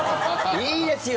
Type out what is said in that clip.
いいですよ！